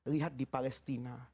lihat di palestina